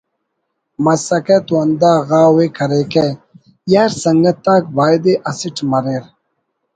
مسکہ تو ہندا غاو ءِ کریکہ ”یار سنگت آک بایدے اسٹ مریر